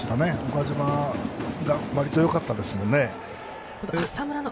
岡島がわりとよかったですね。